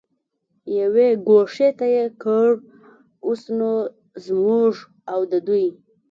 یوې ګوښې ته یې کړ، اوس نو زموږ او د دوی.